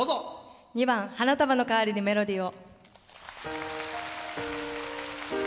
２番「花束のかわりにメロディーを」。